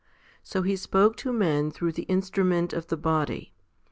So He spoke to men through the instrument of the body.